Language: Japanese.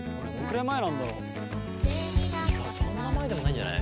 いやそんな前でもないんじゃない？